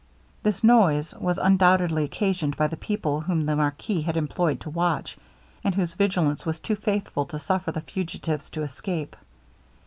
This noise was undoubtedly occasioned by the people whom the marquis had employed to watch, and whose vigilance was too faithful to suffer the fugitives to escape.